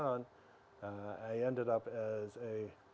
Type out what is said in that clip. saya akan mengatakan